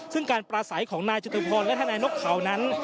ซึ่งการปราศัยของนายจตุพรและทนายนกเขานั้น